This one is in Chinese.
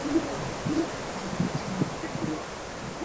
共分九区。